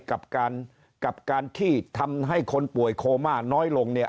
กับการกับการที่ทำให้คนป่วยโคม่าน้อยลงเนี่ย